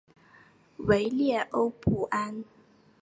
维列欧布安。